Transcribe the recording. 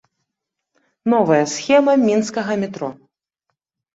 Новая схема мінскага метро.